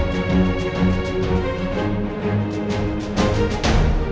selalu menemukan kemampuan